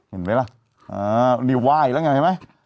เห็นไหมล่ะอ๋อนี่วายแล้วไงเห็นไหม